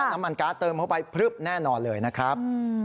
น้ำมันการ์ดเติมเข้าไปพลึบแน่นอนเลยนะครับ